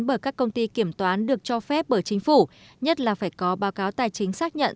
bởi các công ty kiểm toán được cho phép bởi chính phủ nhất là phải có báo cáo tài chính xác nhận